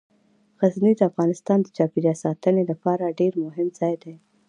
غزني د افغانستان د چاپیریال ساتنې لپاره ډیر مهم ځای دی.